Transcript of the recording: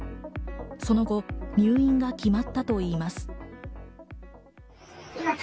その後、入院が決まったといいます。